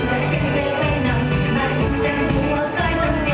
พ่อไม่รู้ว่าที่นั่นคือใจอัพฤป